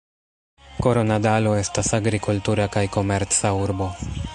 Koronadalo estas agrikultura kaj komerca urbo.